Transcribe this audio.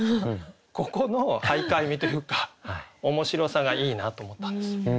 ここの俳諧味というか面白さがいいなと思ったんですよ。